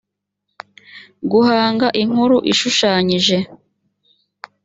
guhanga inkuru ishushanyije